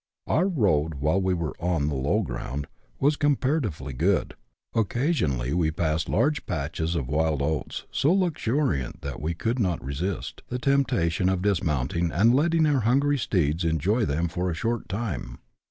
Our road, while we were on the low ground, was comparatively good. Occasionally we passed large patches of wild oats, so luxuriant that we could not resist the temptation of dismounting, and letting our hungry steeds enjoy them for a short time.